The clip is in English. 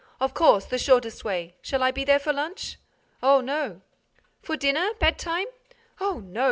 "Of course—the shortest way. Shall I be there for lunch?" "Oh, no!" "For dinner? Bedtime—?" "Oh, no!